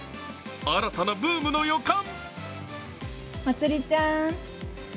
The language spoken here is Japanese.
新たなブームの予感。